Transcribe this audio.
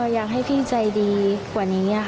อยากให้พี่ใจดีกว่านี้ค่ะ